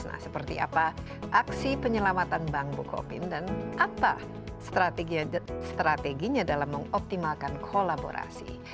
nah seperti apa aksi penyelamatan bank bukopin dan apa strateginya dalam mengoptimalkan kolaborasi